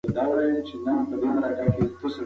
په ولسي شاعرۍ کې هم له سپوږمۍ پوښتنې کېږي.